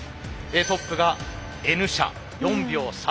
トップがＮ社４秒３７。